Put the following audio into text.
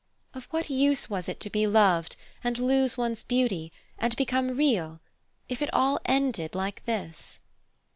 Of what use was it to be loved and lose one's beauty and become Real if it all ended like this?